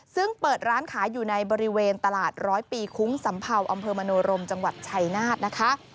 ซึ่งเปิดร้านขายอยู่ในบริเวณตลาดร้อยปีคุ้งสัมเภาอำเภอมโนรมจังหวัดชัยนาธนะคะ